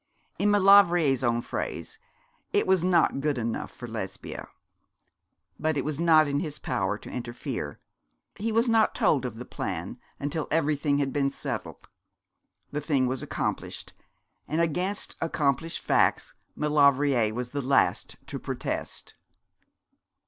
In Maulevrier's own phrase it was 'not good enough' for Lesbia. But it was not in his power to interfere. He was not told of the plan until everything had been settled. The thing was accomplished; and against accomplished facts Maulevrier was the last to protest.